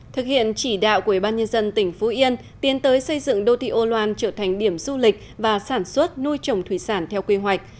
thực hiện chỉ đạo của ủy ban nhân dân tỉnh phú yên tiến tới xây dựng đô thị âu loan trở thành điểm du lịch và sản xuất nuôi trồng thủy sản theo quy hoạch